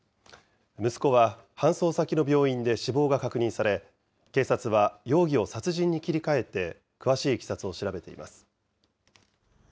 息子は搬送先の病院で死亡が確認され、警察は容疑を殺人に切り替えて詳しいいきさつを調べています。